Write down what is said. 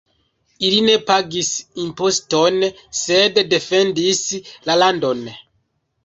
Ili ne pagis imposton, sed defendis la landon.